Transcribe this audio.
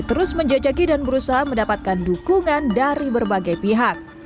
terus menjajaki dan berusaha mendapatkan dukungan dari berbagai pihak